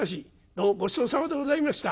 どうもごちそうさまでございました。